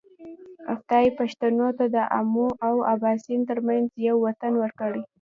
خدای پښتنو ته د آمو او باسین ترمنځ یو وطن ورکړی.